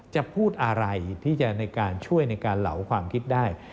จะพูดอะไรที่จะในการช่วยในการเหลาความคิดได้